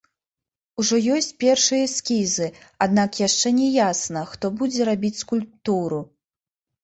Ужо ёсць першыя эскізы, аднак яшчэ не ясна, хто будзе рабіць скульптуру.